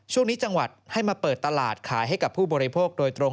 ช่วงนี้จังหวัดให้มาเปิดตลาดขายให้กับผู้บริโภคโดยตรง